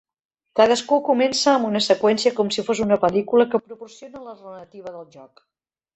Cadascun comença amb una seqüència com si fos una pel·lícula que proporciona la narrativa del joc.